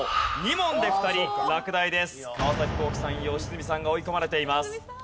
川皇輝さん良純さんが追い込まれています。